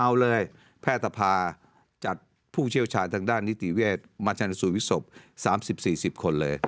เอาเลยแพทย์ภาจัดผู้เชี่ยวชาญทางด้านนิติเวศมาชันสูตรวิศพ๓๐๔๐คนเลย